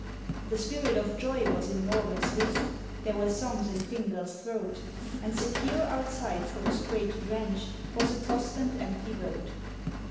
The spirit of joy was in Morgan's wrist, There were songs in Fingal's throat ; And secure outside, for the spray to drench, Was a tossed and empty boat.